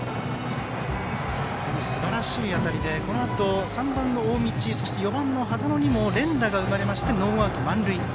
すばらしい当たりでこのあと３番の大道、４番の羽田野にも連打が生まれましてノーアウト満塁。